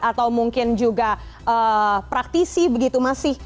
atau mungkin juga praktisi begitu masih